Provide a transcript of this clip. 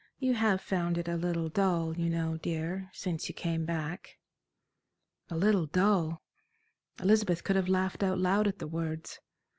"You have found it a little dull, you know, dear, since you came back." A little dull! Elizabeth could have laughed out loud at the words.